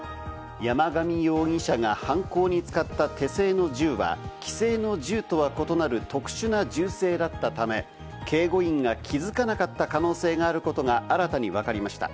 山上容疑者が犯行に使った手製の銃は既製の銃とは異なる特殊な銃声だったため、警護員が気づかなかった可能性があることが新たに分かりました。